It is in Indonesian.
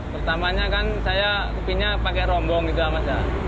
pertamanya kan saya kepinya pakai rombong gitu mas ya